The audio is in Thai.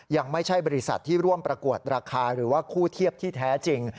ยังไม่ใช่บริษัทที่ร่วมประกวดราคาหรือว่าคู่เทียบที่แท้จริง